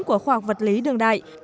của khoa học vật lý đường đại